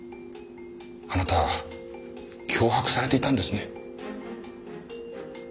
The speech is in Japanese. あなた脅迫されていたんですね？